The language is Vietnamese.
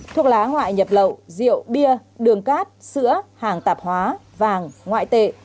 thuốc lá ngoại nhập lậu rượu bia đường cát sữa hàng tạp hóa vàng ngoại tệ